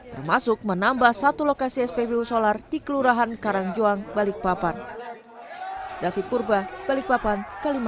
termasuk menambah satu lokasi spbu solar di kelurahan karangjuang balikpapan